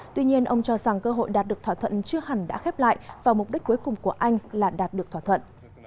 tuy nhiên ông cho rằng cơ hội đạt được thỏa thuận chưa hẳn đã khép lại và mục đích cuối cùng của anh là đạt được thỏa thuận